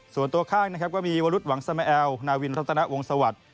ส่วนตัวข้างนะครับก็มีวรุษหวังสมแอลนาวินรัตนวงศวรรค